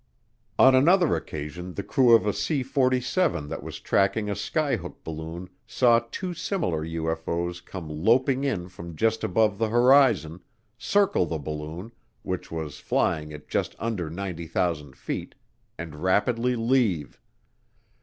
On another occasion the crew of a C 47 that was tracking a skyhook balloon saw two similar UFO's come loping in from just above the horizon, circle the balloon, which was flying at just under 90,000 feet, and rapidly leave.